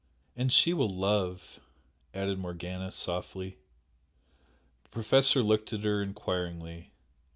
"And she will love!" added Morgana, softly. The Professor looked at her enquiringly.